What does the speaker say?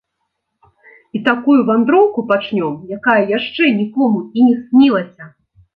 І такую вандроўку пачнём, якая яшчэ нікому і не снілася!